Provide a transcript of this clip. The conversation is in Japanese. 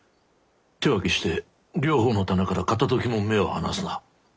手分けして両方の店から片ときも目を離すな。